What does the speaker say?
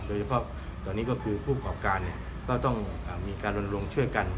โดยเฉพาะตอนนี้ก็คือผู้กรอกการเนี่ยก็ต้องมีการลงเชื่อกัน